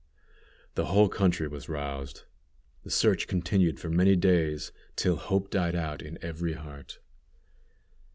The whole country was roused. The search continued for many days, till hope died out in every heart.